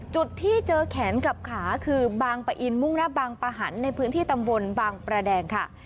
จุดที่เจอแขนกับขาคือบางปะอินมุ่งหน้าบางปะหันในพื้นที่ตำบลบางประแดงค่ะ